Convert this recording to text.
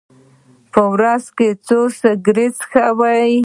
په ورځ کې څو سګرټه څکوئ؟